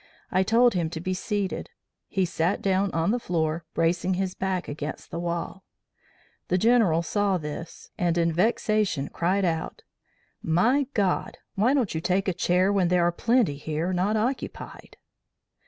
I told him to be seated. He sat down on the floor, bracing his back against the wall. The General saw this, and in vexation cried out, 'My God, why don't you take a chair when there are plenty here not occupied?'